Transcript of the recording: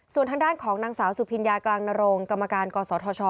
ส่วนทางด้านของนางสาวสุพิญญากลางนโรงกรรมการกศธช